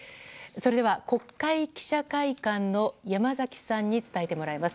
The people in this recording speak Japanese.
それでは国会記者会館の山崎さんに伝えてもらいます。